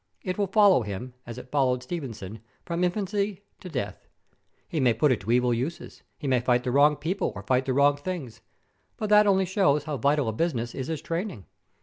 It will follow him, as it followed Stevenson, from infancy to death. He may put it to evil uses. He may fight the wrong people, or fight the wrong things. But that only shows how vital a business is his training.